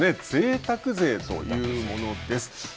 ぜいたく税というものです。